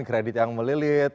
kredit yang melilit